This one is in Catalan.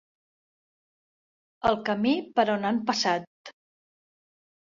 El camí per on han passat.